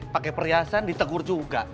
pakai perhiasan ditegur juga